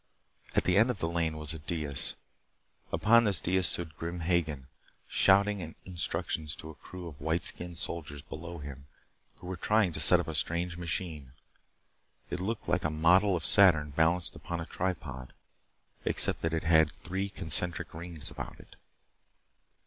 At the end of the lane was a dais. Upon this dais stood Grim Hagen, shouting instructions to a crew of white skinned, soldiers below him who were trying to set up a strange machine. It looked like a model of Saturn balanced upon a tripod. Except that it had three concentric rings about it.